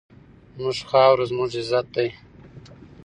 زموږ خاوره زموږ عزت دی.